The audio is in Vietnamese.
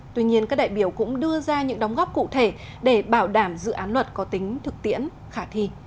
tuy nhiên các đại biểu cũng đưa ra những đóng góp cụ thể để bảo đảm dự án luật có tính thực tiễn khả thi